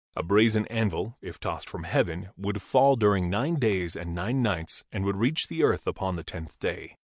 A brazen anvil, if tossed from heaven, would fall during nine days and nine nights and would reach the earth upon the tenth day.